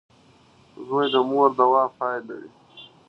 • زوی د مور د دعا پایله وي.